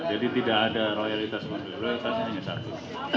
jadi tidak ada loyalitas loyalitas hanya satu